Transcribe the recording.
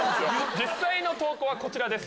実際の投稿はこちらです。